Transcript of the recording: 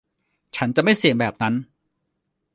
ฉันจะไม่เสี่ยงแบบนั้น